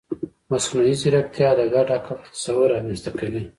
مصنوعي ځیرکتیا د ګډ عقل تصور رامنځته کوي.